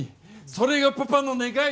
それがパパの願い